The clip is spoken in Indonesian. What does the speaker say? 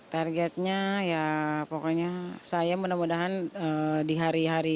targetnya ya pokoknya ya pokoknya saya mudah mudahanitor mungkin